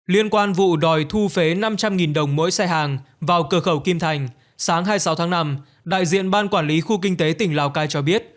liên quan vụ đòi thu phế năm trăm linh đồng mỗi xe hàng vào cửa khẩu kim thành sáng hai mươi sáu tháng năm đại diện ban quản lý khu kinh tế tỉnh lào cai cho biết